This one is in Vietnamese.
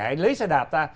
anh lấy xe đạp ra